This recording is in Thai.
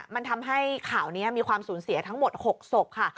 มันทำให้ข่าวนี้มีความสูญเสียทั้งหมด๖ศพค่ะ